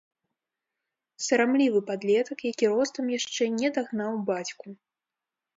Сарамлівы падлетак, які ростам яшчэ не дагнаў бацьку.